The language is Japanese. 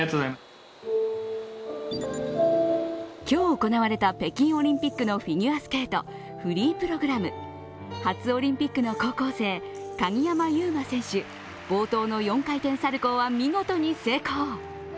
今日行われた北京オリンピックのフィギュアスケート、フリープログラム、初オリンピックの高校生、鍵山優真選手、冒頭の４回転サルコウは見事に成功